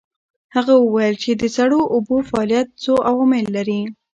هغه وویل چې د سړو اوبو فعالیت څو عوامل لري.